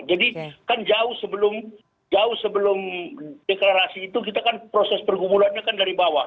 jadi kan jauh sebelum deklarasi itu proses pergumulannya kan dari bawah